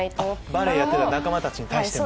バレエやってた仲間に対しても。